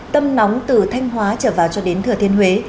tâm nóng từ thanh hóa trở vào cho đến thừa thiên huế